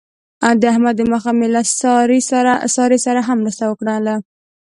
د احمد د مخه مې له سارې سره هم مرسته وکړله.